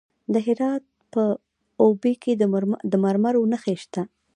د هرات په اوبې کې د مرمرو نښې شته.